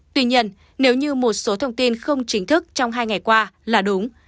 tuy nhiên nếu như một số thông tin không chính thức trong hai ngày qua là đúng